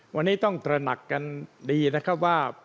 วันนี้ต้องตระหนักกันดีนะครับว่า